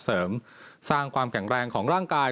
เสริมสร้างความแข็งแรงของร่างกาย